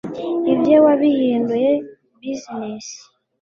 ibye wabihinduye bizinesi